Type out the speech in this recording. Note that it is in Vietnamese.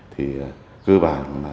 thì cơ bản